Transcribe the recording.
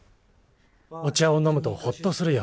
お茶をのむとホッとするよ。